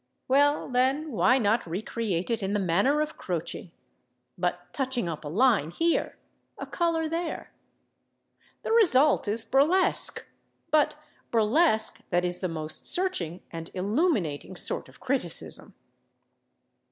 Well, then, why not recreate it in the manner of Croce—but touching up a line here, a color there? The result is burlesque, but burlesque that is the most searching and illuminating sort of criticism.